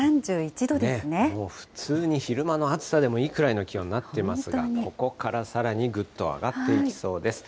もう普通に昼間の暑さでもいいくらいの気温になってますが、ここからさらにぐっと上がっていきそうです。